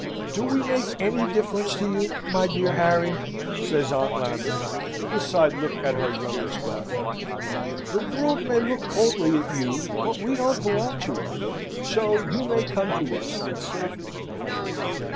"Do we make any difference to you, my dear Harry?" says Aunt Lambert, with a side look at her youngest daughter. "The world may look coldly at you, but we don't belong to it: so you may come to us in safety."